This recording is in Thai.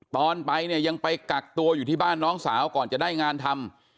ตอนไปเนี่ยยังไปกักตัวอยู่ที่บ้านน้องสาวก่อนจะได้งานทำ